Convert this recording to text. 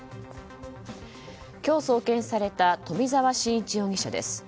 今日送検された冨澤伸一容疑者です。